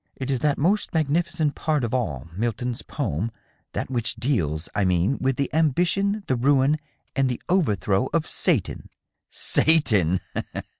" It is that most magnificent part of all Milton's poem — that which deals, I mean, with the ambition, the ruin and the overthrow of Satan." " Satan